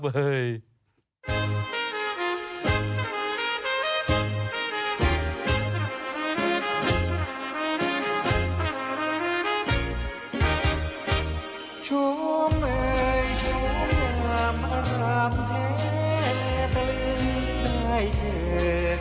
โชมเมย์โชมหวามรำแท้และเติ้ล